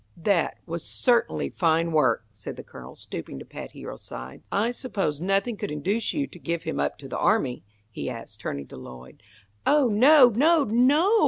"That, was certainly fine work," said the Colonel, stooping to pat Hero's sides. "I suppose nothing could induce you to give him up to the army?" he asked, turning to Lloyd. "Oh, no, no, no!"